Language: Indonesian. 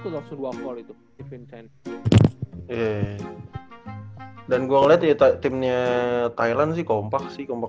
satu ratus dua puluh satu langsung dua volt itu dan gua lihat ya tak timnya thailand sih kompak sih kompak